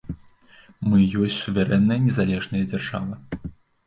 Мы ёсць суверэнная, незалежная дзяржава.